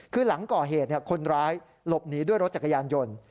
คือหลังก่อเหตุคนร้ายหลบหนีด้วยรถจักรยานยนต์